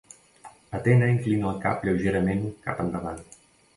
Atena inclina el cap lleugerament cap endavant.